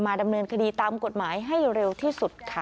ดำเนินคดีตามกฎหมายให้เร็วที่สุดค่ะ